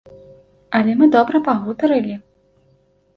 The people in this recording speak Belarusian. Але мы добра пагутарылі.